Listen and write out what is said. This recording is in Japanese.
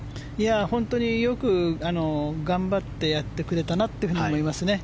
本当によく頑張ってやってくれたなと思います。